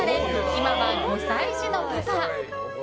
今は５歳児のパパ。